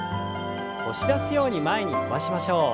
押し出すように前に伸ばしましょう。